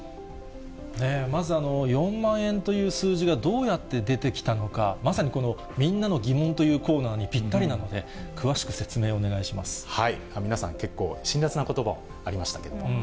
まず４万円という数字がどうやって出てきたのか、まさにこのみんなのギモンというコーナーにぴったりなので、皆さん、結構辛らつなことばもありましたけども。